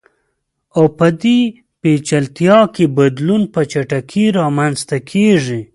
او په دې پېچلتیا کې بدلون په چټکۍ رامنځته کیږي.